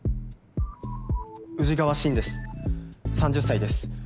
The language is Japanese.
宇治川伸です３０歳です。